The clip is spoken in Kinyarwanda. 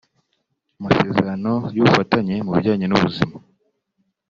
amasezerano y’ubufatanye mu bijyanye n’ubuzima